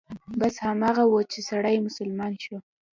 بس هماغه و چې سړى مسلمان شو.